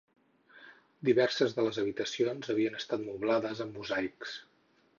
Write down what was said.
Diverses de les habitacions havien estat moblades amb mosaics.